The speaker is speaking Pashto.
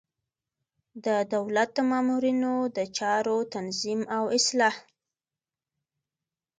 د دولت د مامورینو د چارو تنظیم او اصلاح.